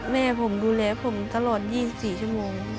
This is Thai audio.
แม่ผมดูแลผมตลอด๒๔ชั่วโมง